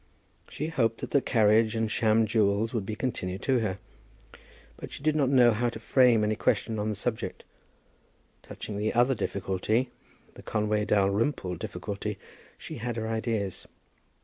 She hoped that the carriage and sham jewels would be continued to her; but she did not know how to frame any question on the subject. Touching the other difficulty, the Conway Dalrymple difficulty, she had her ideas.